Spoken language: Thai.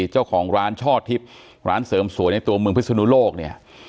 เจ้าของร้านช่อทิพย์ร้านเสริมสวยในตัวเมืองพิศนุโลกเนี่ย